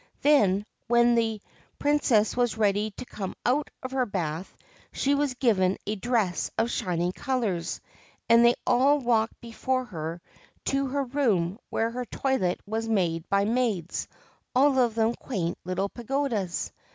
Then, when the Princess was ready to come out of her bath, she was given a dress of shining colours, and they all walked before her to her room, where her toilet was made by maids, all of them quaint little pagodas.